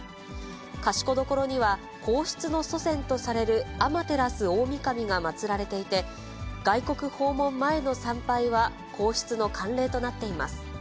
賢所には皇室の祖先とされる天照大神が祭られていて、外国訪問前の参拝は皇室の慣例となっています。